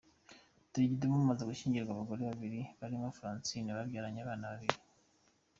Kidum amaze gushyingirwa abagore babiri barimo Francine babyaranye abana babiri.